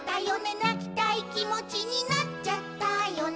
「なきたいきもちになっちゃったよね」